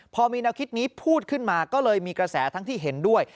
พอมีแนวคิดนี้พูดขึ้นมาก็เลยมีกระแสทั้งที่เห็นด้วย